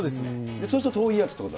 そうすると遠いやつってこと